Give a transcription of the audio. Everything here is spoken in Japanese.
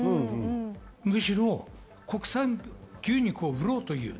もちろん国産牛肉を売ろうという。